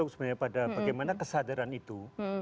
untuk sebenarnya bagaimana kesadaran itu